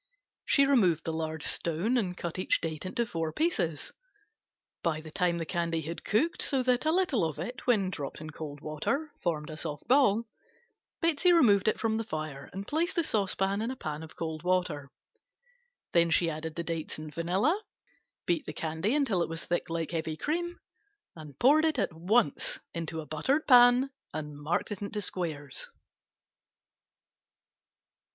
She removed the large stone and cut each date into four pieces. By the time the candy had cooked so that a little of it when dropped in cold water formed a soft ball, Betsey removed it from the fire and placed the saucepan in a pan of cold water; then she added the dates and vanilla, beat the candy until it was thick like heavy cream and poured at once into a buttered pan and marked in squares.